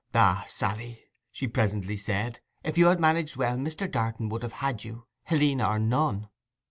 'Ah, Sally,' she presently said, 'if you had managed well Mr. Darton would have had you, Helena or none.